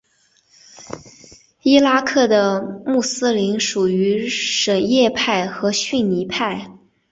伊拉克的穆斯林属于什叶派和逊尼派。